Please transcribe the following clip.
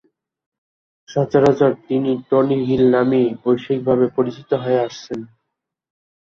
সচরাচর তিনি Tony Hill নামেই বৈশ্বিকভাবে পরিচিত হয়ে আসছেন।